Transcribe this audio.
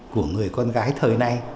của người con gái thời nay